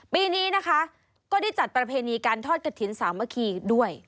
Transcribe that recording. ปีนี้นะคะก็ได้จัดประเพณีการทอดกระถิ่นสามัคคีด้วย